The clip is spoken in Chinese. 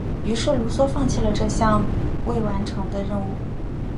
于是卢梭放弃了这项尚未完成的任务。